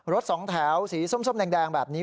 รถสองแถวสีส้มแดงแบบนี้